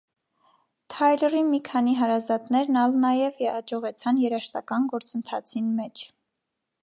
Թայլըրի մի քանի հարազատներն ալ նաեւ յաջողեցան երաժշտական գործընթացքին մէջ։